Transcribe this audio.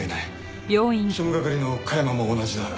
庶務係の加山も同じだ。